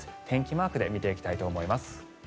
天気マークで見ていきたいと思います。